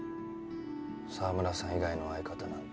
澤村さん以外の相方なんて。